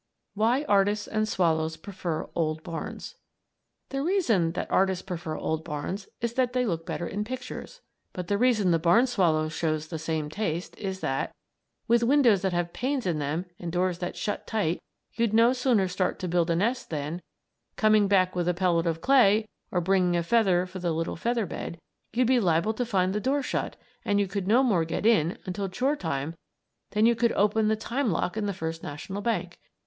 WHY ARTISTS AND SWALLOWS PREFER OLD BARNS The reason the artists prefer old barns is that they look better in pictures, but the reason the barn swallow shows the same taste is that, with windows that have panes in them and doors that shut tight you'd no sooner start to build a nest than, coming back with a pellet of clay, or bringing a feather for the little feather bed, you'd be liable to find the door shut and you could no more get in until chore time than you could open the time lock in the First National Bank.